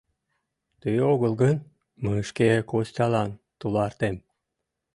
Тый огыл гын, мый шке Костялан тулартем!